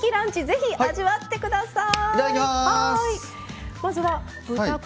ぜひ味わってください。